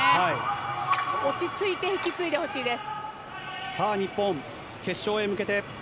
落ち着いて引き継いでほしいです。